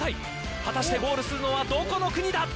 果たしてゴールするのはどこの国だ。